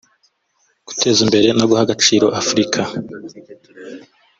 Guteza imbere no guha agaciro Afurika”